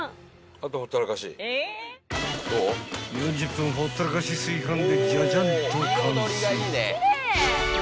［４０分ほったらかし炊飯でジャジャンと完成］